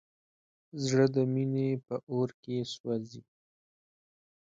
زړه د مینې په اور کې سوځي.